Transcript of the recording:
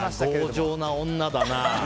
強情な女だな。